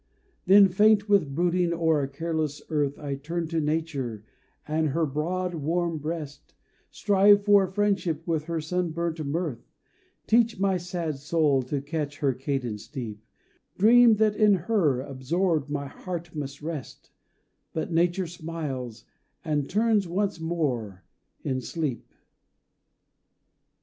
Then faint with brooding o'er a careless earth I turn to Nature and her broad warm breast, Strive for a friendship with her sun burnt mirth, Teach my sad soul to catch her cadence deep, Dream that in her absorbed my heart must rest; But Nature smiles, and turns once more in sleep.